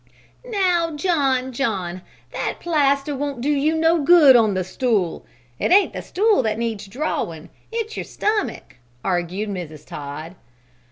"Now, John! John! That plaster won't do you no good on the stool. It ain't the stool that needs drawin'; it's your stomach," argued Mrs. Todd.